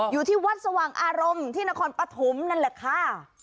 อยู่ที่วัดสว่างอารมณ์ที่นครปฐมนั่นแหละค่ะ